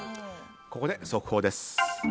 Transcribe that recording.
ここで、速報です。